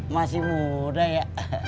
masih muda ya